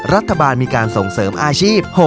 รัฐบาลมีการส่งเสริมอาชีพ